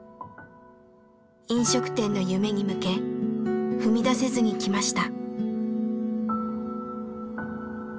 飲食店の夢に向け踏み出せずにきました。